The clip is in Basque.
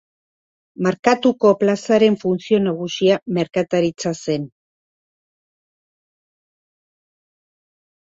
Markatuko Plazaren funtzio nagusia merkataritza zen.